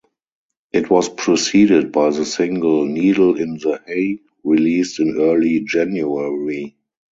It was preceded by the single "Needle in the Hay", released in early January.